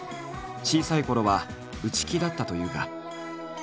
小さいころは内気だったというが。